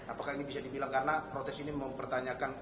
apakah ini bisa dibilang karena protes ini mempertanyakan